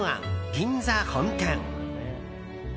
銀座本店。